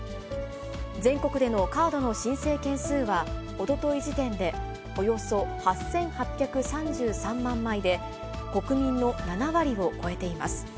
全国でのカードの申請件数は、おととい時点でおよそ８８３３万枚で、国民の７割を超えています。